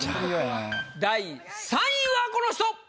第３位はこの人！